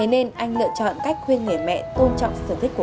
em thấy mẹ chơi truyền thống